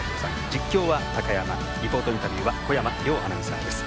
実況は高山リポートインタビューは小山凌アナウンサーです。